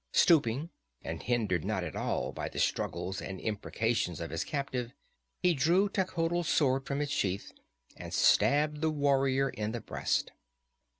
Stooping, and hindered not at all by the struggles and imprecations of his captive, he drew Techotl's sword from its sheath and stabbed the warrior in the breast.